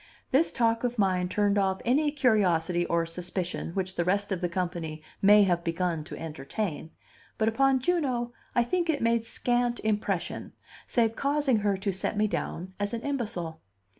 This talk of mine turned off any curiosity or suspicion which the rest of the company may have begun to entertain; but upon Juno I think it made scant impression, save causing her to set me down as an imbecile.